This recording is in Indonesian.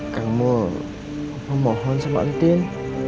kamu memohon sama antin